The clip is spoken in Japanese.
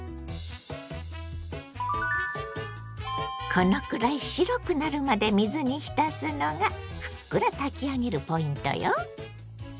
このくらい白くなるまで水に浸すのがふっくら炊き上げるポイントよ。